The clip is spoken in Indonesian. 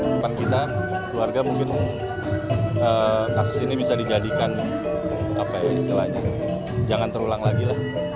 cuman kita keluarga mungkin kasus ini bisa dijadikan apa ya istilahnya jangan terulang lagi lah